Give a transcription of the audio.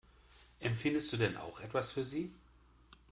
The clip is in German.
Empfindest du denn auch etwas für sie?